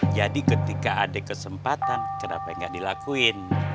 jadi ketika ada kesempatan kenapa nggak di lakuin